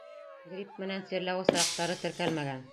Грипп менән сирләү осраҡтары теркәлмәгән.